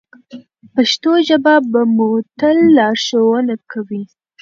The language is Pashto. پښتو ژبه به مو تل لارښوونه کوي.